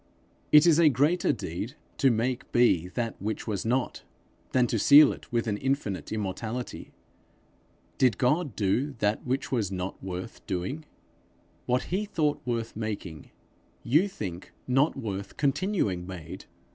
It is a greater deed, to make be that which was not, than to seal it with an infinite immortality: did God do that which was not worth doing? What he thought worth making, you think not worth continuing made!